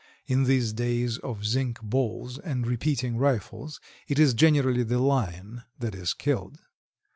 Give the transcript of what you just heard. In these days of zinc balls and repeating rifles it is generally the Lion that is killed.